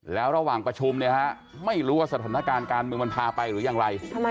แล้วระหว่างประชุมเนี่ยฮะไม่รู้ว่าสถานการณ์การเมืองมันพาไปหรือยังไร